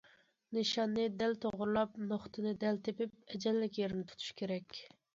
نىشاننى دەل توغرىلاپ، نۇقتىنى دەل تېپىپ، ئەجەللىك يېرىنى تۇتۇش كېرەك.